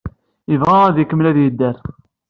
Yebɣa ad ikemmel ad yedder.